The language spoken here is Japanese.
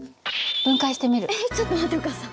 えっちょっと待ってお母さん。